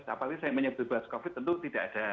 apalagi saya menyebut bebas covid tentu tidak ada